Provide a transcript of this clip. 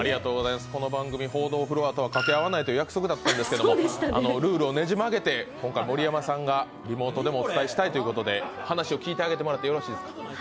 この番組、報道フロアとはかけ合わないという約束だったんですけどルールをねじ曲げて、今回盛山さんがリモートでもお伝えしたいということで、話を聞いてあげてもらってよろしいですか。